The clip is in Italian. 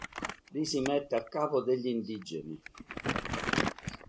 Lì, si mette a capo degli indigeni.